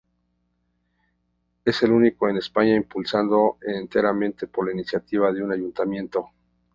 Es el único en España impulsado enteramente por la iniciativa de un ayuntamiento.